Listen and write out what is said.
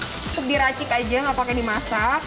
terus diracik aja gak pakai dimasak